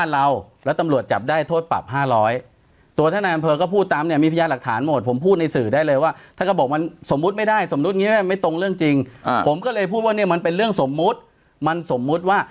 แต่ว่าเมษาพฤษภามันตกเบิกมาแล้วมันเริ่มหัก